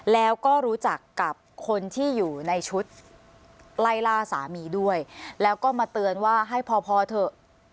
แล้วก็รู้จักกับคนที่อยู่ในชุดไล่ล่าสามีด้วยแล้วก็มาเตือนว่าให้พอพอเถอะ